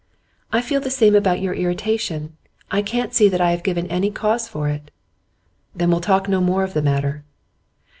'I feel the same about your irritation. I can't see that I have given any cause for it.' 'Then we'll talk no more of the matter.